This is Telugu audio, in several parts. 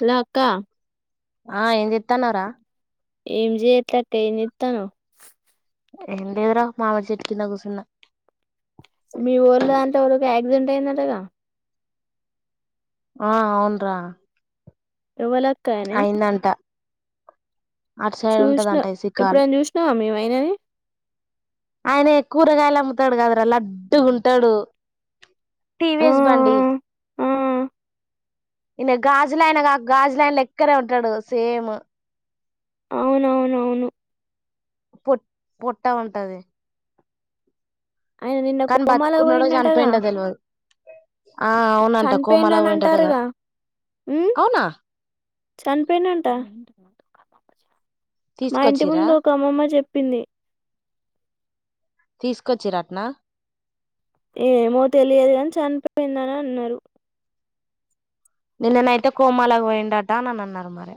హలో అక్క ఆ ఏం చేతనవ్ ర ఏం జయట్లే అక్కా ఏం జెతనవ్ ఏం లేద్ర మామిడి చెట్టు కింద కుసున్న మీ ఒళ్ళ దాంతో ఊరకి యాక్సిడెంట అయ్యిందట ఆ అవున్రా ఎవలక్కయనే అటు సైడ్ చూసిన ఉంటదంట ఇసికాలు ఎప్పుడైనా చూసినావా మేమ అయినాని ఆయన కూరగాయలు అమ్ముతాడు కాద్ర లడ్డుగుంటాడు ఆ టీవీస్ బండి ఆ ఇనా గాజులయనగా గాజులయనలెక్కనే ఉంటాడు సేమ్ అవునవునవును పొట్టి పొట్టా వంటది ఆయన నిన్న కోమాలకు బతుకున్నాడో పోయిండటగా చనిపోయిండో తెలవదు ఆ అవునంట చనిపోయిను కోమాలకు అని పోయిండటగా అంటారుగా అవునా చనిపోయిను అంట మా ఇంటి తీసుకొచ్చిరా ముందు ఒక అమ్మమ్మ చెప్పింది తీసుకొచ్చి రట్న ఏమో తెలియదు అని చనిపోయిందని అన్నారు నిన్ననయితే కోమలాగా పోయిండట అని అని అన్నారు మరి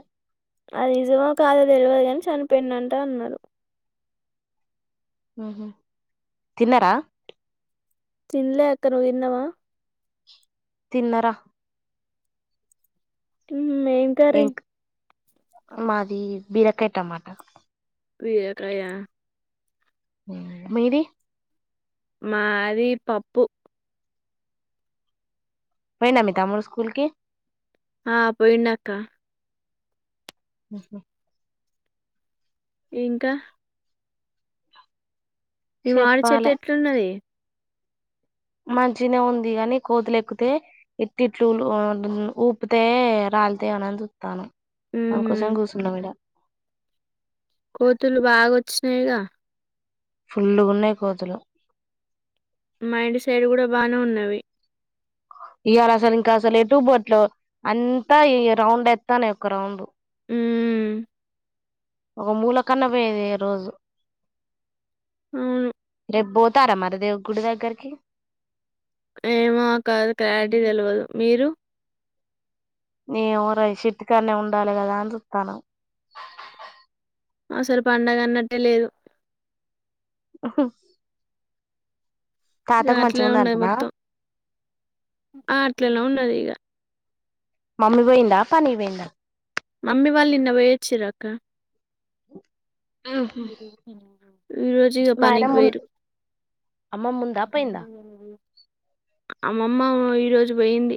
అది నిజమో కాదోగుడలు ఊ ఎక్స్యూయూ ఈ తెలియదు కాని చనిపోడి అంట ఉహు తిన్నరా తినలేఅక్క ను తినవా తిన్నర మ్ మేయిన్కరీ ఏం మాది బీరకాయ టమాట బీరకాయ మ్ మీది మాది పప్పు పోయినా మీ తమ్ముడు స్కూల్కి ఆ పోయిండు అక్క ఊహు ఇంకా మీ మాడి చెట్టు చెప్పాలే ఎట్లున్నది మంచిగనీ ఉంది కాగాని కోతులు ఎక్కితే ఇట్ట్లు ఊపితే రాలితే అనని చూస్తున్న హుహు. అందుకోసం కూర్చున్నాం ఈడ కోతులు బాగోచ్చినాయిగా ఫుల్లుగున్నాయి కోతులు మా ఇంటి సైడ్ కూడా బానే ఉన్నవి ఇవాళ అసలు ఇంకా అసలు ఎటు బోట్లు అంతా ఈ రౌండ్ ఎస్తాను ఒకయక్క రౌండ్ మ్ ఒక మూల కన్న పోయేది రోజు మ్ పోతారా మరి దేవుని గుడి దగ్గరికి ఏమో అక్క క్లారిటీగా తెలివదు మీరు ఏమోరా ఈ చెట్టు కాడ ఉండాలి కదా అని చుత్తాన్న అసలు పండుగ అన్నట్టే లేదు ఆ ఇగ తాతాకు మంచిగా అట్లనే ఉంద ఉన్నది అంటనా మొత్తం. ఆ అట్లలా ఉండది ఇగ మమ్మీ పోయిందా పనీ పోయిందా మమ్మి వాళ్ళ నిన్న వోయొచ్చిరూ అక్క పోయిందా ఈ రోజ ఇగా పనికి నాయనమ్మ ఉం పోయిరు అమ్మ ముందా పోయిందా అమ్మమ్మ ఈ రోజు పోయింది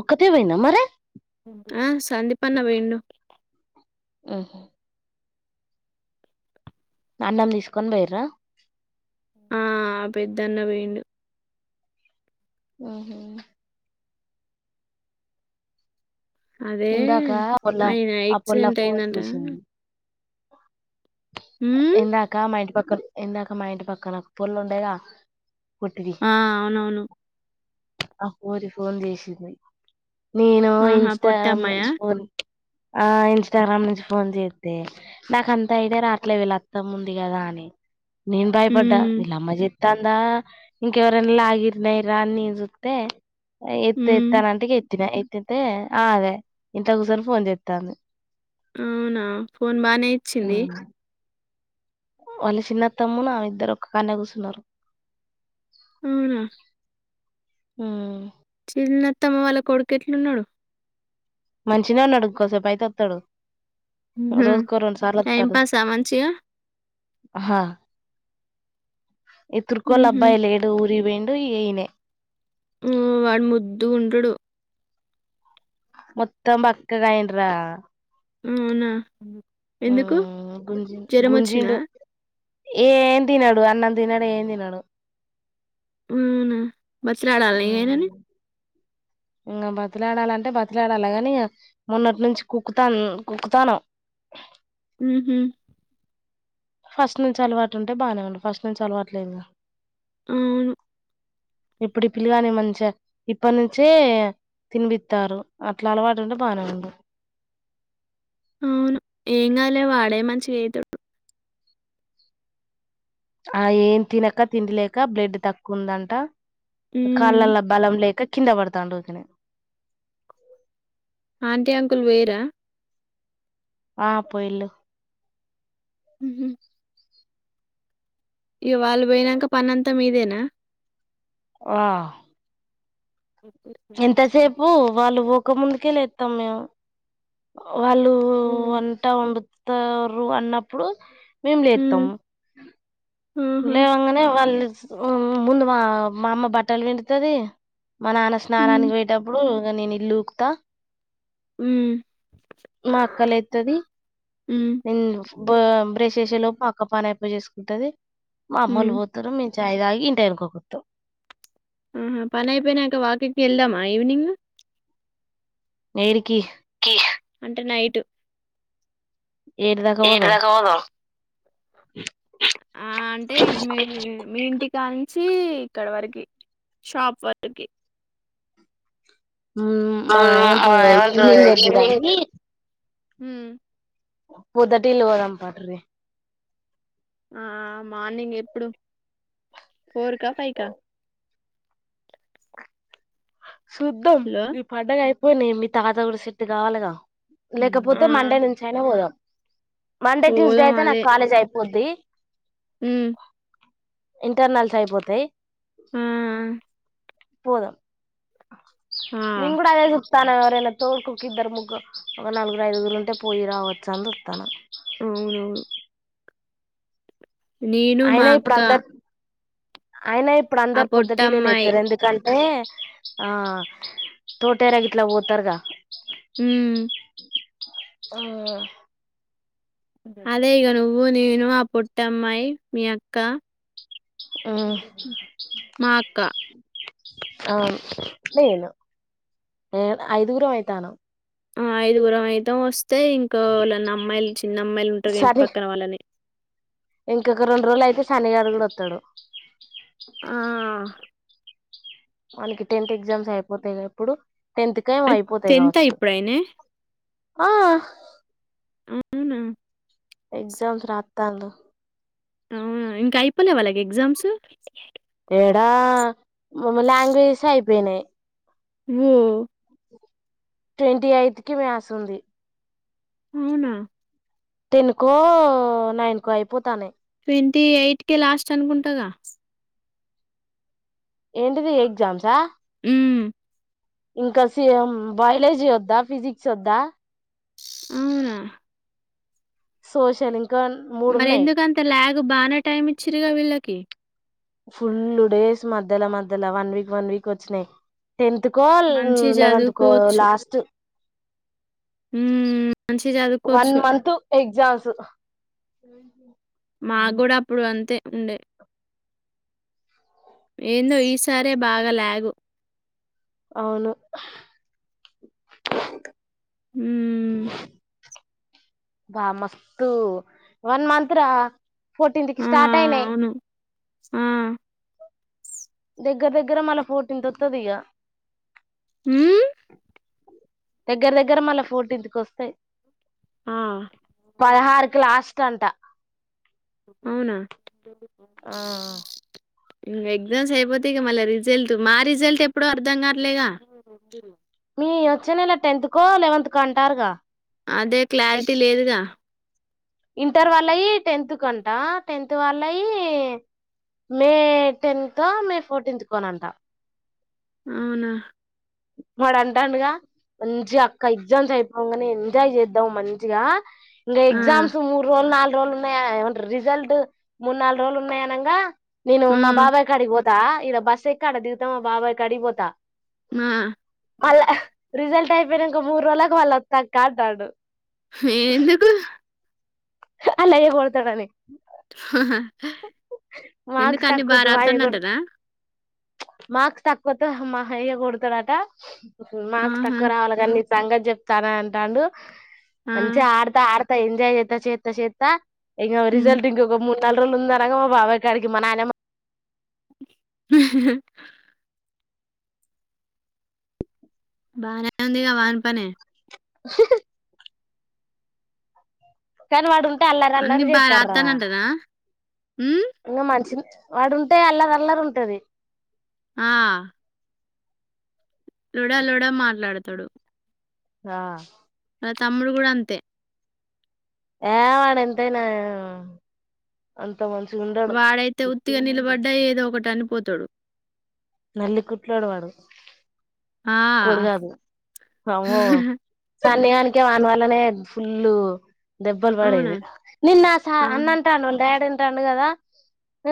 ఒక్కతే పోయిందా మరి ఆ సందీపన్న పోయిండు ఆహా అన్నం తీసుకొని పోయ్రా ఆ పెద్దన్న పోయిండు ఆహ అదే ఇందాక పొల్ల ఆయన ఆ పొల్ల యాక్సిడెంట్ ఫోన్ అయిందంట చేసింది ఉమ్, ఇందాక మ పక్క ఇందాక మా ఇంటి పక్కనకు పూర్లు ఉండేగా ఆ అవునవును అ పోరి ఫోన్ చేేశింది నేను ఆహా ఇన్స్టా ను పొట్టమ్మాయా ఫోన్ ఆ ఇన్స్టాగ్రామ్ నుంచి ఫోన్ చేస్తే నాక అంత ఐడియా రాట్లే వళ మంత ఉంది కదా అని నేను భయపడ్డా ఉమ్ వీళ్ళ అమ్మ చే అంద ఇంకెవరన్నా లగిర్న ఇరా అని నేను చూస్తే ఎత్తు ఉమ్ ఎత్తున అంటెక ఎత్తిన ఎత్ ఎత్తితే ఆ అదే ఇంత కూసం ఫోన్ చేస్తారు అవునా ఫోన్ బాగానే ఇచ్చింది వాళ్ళ చిన్న తమ్మును ఆమె ఇద్దరు ఒక్క కాన్నె కూర్చున్నారు హు హు చిన అత్తమ్మ వాళ్ళ కొడుకు ఎట్లున్నాడు మంచినే ఉన్నాడు కోసేపు అయితే వస్తాడు హు టైమ్ పాస్ మంచిగా అహా ఏ తురుకోలు ఉహు అబ్బాయి లేడు ఊరికి పోయిండు ఈనే వాడు ముద్ ద్దుగా ఉంటాడు మొత్తం బక్కగా అయ్యిండ్రా మ్మ్ వునా ఎందుకు ఉమ్ గుంజి జ్వరం వచ్చిందా గుంజిండు ఏం తినడు అన్నం తినడు ఏం తినడు వునా మర్సినాడ ఆలయేనని ఇంకా బతిలాడాలంటే బతిలాడాలా గాని ఇక మొన్నొటి నుంచి కుక్కుతాన్ కుక్కుతన్నం హ్మ్మ్ హ్మ్మ్ ఫస్ట్ నుంచి అలవాటు ఉంటే బానే ఉండు ఫస్ట్ నుంచి అలవాటు లేదు గా వును ఇప్పుడు పిల్లు కాని మంచిగా ఇప్పటి నుంచే తినిపిత్తారు అట్లా అలవాటు ఉంటే బానే ఉండు అవును ఏం కాదులే వాడే మ మంచిగా అయితడు ఆ ఏం తినక తిండి లేక బ్లడ్ తక్కువ ఉందంట ఉమ్ కాళ్ళలో బలం లేక కింద పడతాండు ఊరికనే ఆంటీ, అంకుల్ పోయ్ రా ఆ పోయిల్లు మ్మ్ ఇక వాళ్ళు పోయినాక పనంతా మీదేనా ఆ ఓకే ఎంతసేపు వాళ్ళు ఒ ముందుకే లేత్తం మేము వాళ్ళు వంట వండు ారు అన్నప్పుడు మేము లేస్తం ఉమ్ ఉ ఆహా లే అనే వాళ్ళు ముందు మా మా అమ్మ బట్టలు విండుతది మా నాన్న ఉమ్ స్నానానికి పోయేటప్పుడు ఇక నేను ఇళ్ళు ఉక్తా ఉమ్ మా అక్క లేత్తది ఉమ్ నిల్ బ బ్రెష్ ఎషే లోపు అక్క పని అయిపోజేసుకుంటది మామ్మోళ్ళు ఉమ్ పోతారు మీ చాయ్ తాగి [unintelligible] మ్మ్ హ్మ్ పనియిపోయినాక వాకింగ్ కి వెళ్దామా ఈవ్నింగు ఏడికి అంటే నైటు ఏటి దగ అవదు ఆ అంటే మీ మీ ఇంటి గా నుంచి ఇక్కడ వరకి షాప్ వరకి మా ఏమంటారు ఈవినింగ్ వద్దు కానీ హ్మ్ పూ తటిలు పోదాం పదరి ఆ మార్నింగ్ ఎప్పుడు ఫోర్కా ఫైవ్ కా సుద్ధం హలో ఈ పండగ అయి పోయినా మీ తాతగడి సెట్టు కావాలిగా ఆ లేకపోతే మండే నుంచి అయినా పోదాం మండే ట్యూస్డేయితే నా కాలజ్ అయి కొది మ్మ్ ఇంటర్నల్స్ అయిపోతాయి మ్మ్ పోదం మేం కూడా అదే తనం ఎవరైనా తోడ్కోకి ఇద్దరు ముగ్గు ఒక నలుగురు ఐదుగురులుంటే పోయి రావచ్చు అని చుస్తానా అవునవును నేను మా అయినా ఇప్పుడు అక్క. అందరు అయినా ఇప్పుడు ఆ అందరు పొద్దుటీలే పొట్టమ్మాయి లేస్తారు ఎందుకంటే. ర ఆ తోటెరాగట్లా పోతారుగా మ్మ్ ఆ అదే ఈగ నువ్వు నేను ఆ పోట్టమ్మయి మీ అక్క. మా అక్క ఆ నేను ఏ అయిదుగురు అయితనం ఆ ఐదుగురం అయితాం వస్త. అయితే ఇంకా వాళ్ళ నా అమ్మాయిలు చిన్న అమ్మాయిలు ఉంటారు ఇంటి సరే పక్కన వాళ్ళని. ఇంకొక రెండు రోజులు అయితే సన్నీ గాడు కూడా వస్తాడు. ఆ మనకి టెన్త్ ఎగ్జామ్స్ అయిపోతాయి గా అప్పుడు. టెన్తకె ఏం అయిపోతాయి టెన్త్ కావచ్చు. ఇప్పుడైనే ఆ. అవునా ఎగ్జామ్స్ రాద్దను. అవునా ఇంకా అయిపోలే వాళ్ళకి ఎగ్జామ్స్. ఎడా లాంగ్వేజస్ అయిపోయినాయి. ఓ. ట్వంటీ ఎయిత్ కి మ్యాస్ ఉంది. అవునా. టెన్కో నైన్కో అయిపోతానే. ట్వంటీ ఎయిట్ క లాస్ట్ అనుకుంటదా. ఎంటది ఎగజామ్సా ఉమ్ ఇంకా సఎ బయాలజీ వద్దా ఫిజిక్స్ వద్దా. అవునా. సోషల్. ఇంకా మూడు మరి ఉన్నాయి ఎందుకంత లాగ్. బానే టైమ్ ఇచ్చరుగా వీళ్ళకి. ఫుల్ డేస్ మధ్యలో మధ్యలో వన్ వీక్ వన్ వీక్ వచ్చినాయి టెన్త్ కో మంచిగా లెవెంతత్కో చదువుకోవచ్చు లాస్ట్ ఉమ్ మంచిగా వన్ చదువుకోవచ్చు మంత్ ఎగ్జామ్స్ మా కూడా అప్పుడు అంతే ఉండే. ఏందో ఈ సారే బాగా లాగ్. అవును. హ్మ్ బా మస్తు వన్ మంత రా. ఫోర్టీన్ కి ఆ స్టార్ట్ అయినాయి. అవును ఆ దగ్గర దగ్గర మన పోటీంతొతుది ఇక హ దగ్గర దగ్గర మళ్ళా ఫోర్టీన్త కొస్తాయి ఆ పదహారుకు లాస్ట్ అంటా అవునా ఆ ఇంకా ఎగ్జామ్స్ అయిపోతాయి మళ్ళీ రిజల్ట్ మా రిజల్ట్ ఎప్పుడ అర్ధం కావట్లేగా ఈ వచే నెలా అదే క్లారిటీ లేదుగా ఇంటర్ వాళ్ళయి టెన్త్ క అంట టెన్త్ వాళ్ళయి మే టెన్త్ మే ఫోర్టీన్త్ కో నంటా అవునా వాడు అంటాండగా మంచి అక్క ఎగ్జామ్స్ అయిపోంగానే ఎంజాయ్ చేద్దాం మంచిగా ఇం ఆ ఎగ్జామ్స్ మూడు రోలు నాలు రోలు ఉన్నాయా ఏమంట రిజల్ట్ మూడు నాల్ రోజులు ఉన్నాయ్ అనంగా నీను ఆ మా బాబయ్ కాడిక్ పోత్ దా ఈడ బస్సు ఎక్కి అడ దిగుతా మా బాబాయి కడిగ్ పోత మ అలా రిజల్ట్ అయిపేనంక మూడు రోజులకి మళ్ళ వత్తక్క అంటాడు ఎందుకు అల్లయ్య కొడతా డనీ హా హా మార్క్స్ ఎందుకన్ని బా తక్కువత్తే మా రాత్తం అయ్య కొ దన్టనా మార్క్స్ తక్కువత్తే మా అయ్య గొడతడంటా మార్క్స్ ఆహా తక్కువ రావాల గనీ సంగతి చెప్తాన్ అంటాండు ఆ మంచిగా ఆడత ఆడత త ఎంజాయ్ చేత చేత చేత ఇంగ హ్మ్ రిజల్ట్ ఇంక గమ్ముని లు ఉందనంగా మా బాబాయ్ కాడికి మా నాయన బానే ఉందిగా వాన్ పనే కని వాడు అల్లరి అంది అల్లరి బా చేత్తార్రా రాత్తందంటనా హ్మ్ ఇంగ మనిషి వాడుంటే అల్లరల్లరుంటది ఆ లొడా లొడా మాట్లాడతాడు ఆ తమ్ముడు కూడా అంతే ఏ వాడ ఎంతనా అన్ వాడైతే ఉత్తిగా నిలబడ్డా ఏదో ఒకటి చనిపోతాడు నల్లి కుట్లోడు వాడు ఆ కూడు కాదు అమ్మో సన్నిగానికే వాని వల్లనే ఫుళ్ళు దెబ్బల్ అవునా బడేది నిన్నస ఆ అన్నంటా అన్న డాడంత తాండు కదా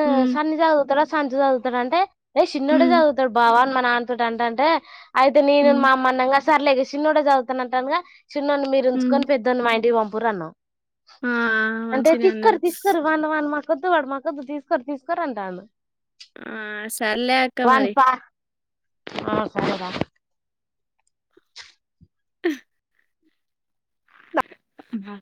ఉమ్, సన్ని చదువుతాడు సంచి చదువుతాడ అంటే ఏ చిన్నోడే ఉమ్, జదుతడు బావా నా అన్తూంట అంతుట అంటంటే అయితే నేను ఉమ్, మా అమ్మనంగా సర్లేదు చిన్న కూడా చదువుతాన అంటానుగా చిన్నొన్ని మీరు ఉమ్, ఉంచుకొని పపెద్దొన్ని మా ఇంటి కి పంప్ కోర్రన్నం ఆ అంటే మంచినే తస్కర అన్నారు తీస్కర వన్ వన్ మా ొద్దు పడు మ మాకద్ తీసుకో తీసుకోర అంటాను ఆ సర్లే అక్క వాని మరి పా ఆ సరే రా ఆ బా